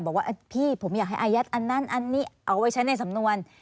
บอกว่าพี่ผมอยากให้อายัดอันนั้นอันนี้เอาไว้ใช้ในสำนวน